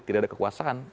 tidak ada kekuasaan